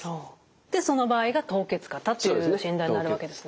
でその場合が凍結肩という診断になるわけですよね。